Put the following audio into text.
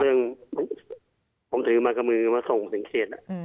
เรื่องผมถือมากมือมาส่งถึงเขต